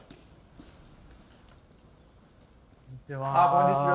こんにちは。